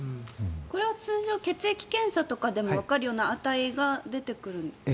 通常血液検査でもわかるような値で出てくるんですか？